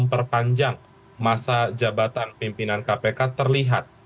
perpanjang masa jabatan pimpinan kpk terlihat